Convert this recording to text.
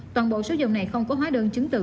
toàn bộ số dầu này không có hóa đơn chứng từ